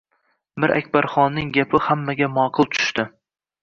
Mir Akbarxonning gapi hammaga ma’qul tushdi.